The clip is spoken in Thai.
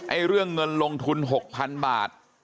เรื่องเงินลงทุน๖๐๐๐บาท